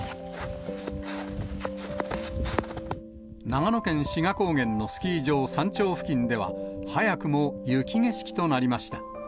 長野県志賀高原のスキー場山頂付近では、早くも雪景色となりました。